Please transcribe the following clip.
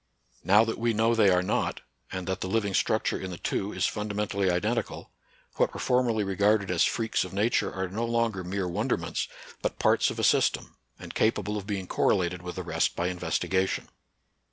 Now that we know they are not, and that the living structure in the two is fundamentally identi NATURAL SCIENCE AND RELIGION. 19 cal, what were formerly regarded as freaks of Nature are no longer mere wonderments, but parts of a system, and capable of being cor related with the rest by investigation.